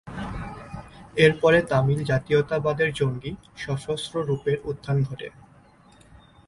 এর পরে তামিল জাতীয়তাবাদের জঙ্গি, সশস্ত্র রূপের উত্থান ঘটে।